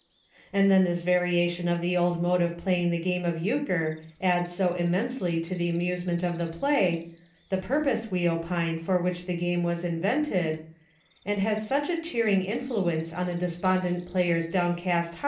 And then this variation of the old mode of playing the game of Euchre adds so immensely to the amusement of the play — the purpose, we opine, for which the game was invented — and has such a cheering influence on a despondent player's downcast LAP, SLAM, AND JAMBONE.